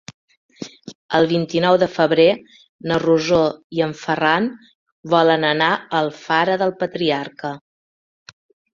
El vint-i-nou de febrer na Rosó i en Ferran volen anar a Alfara del Patriarca.